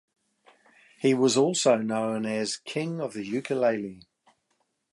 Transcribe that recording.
He was also known as "King of the Ukulele".